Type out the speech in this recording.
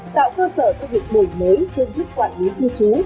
tạo cơ sở cho dịch vụ mới giúp quản lý cư trú